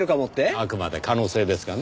あくまで可能性ですがね。